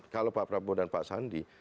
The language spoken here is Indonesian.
kalau pak prabowo dan pak sandi